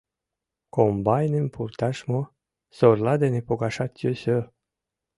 Комбайным пурташ мо, сорла дене погашат йӧсӧ...